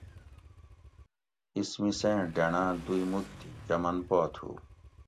اِس مِسیں ڈینڑاٞں دُوئ مُک تھی چمن پا تھُو